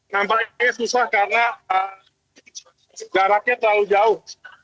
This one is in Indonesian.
nampaknya susah karena jaraknya terlalu jauh